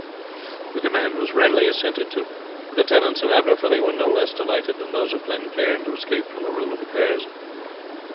The demand was readily assented to, for the tenants of Aberfilly were no less delighted than those of Glen Cairn to escape from the rule of the Kerrs.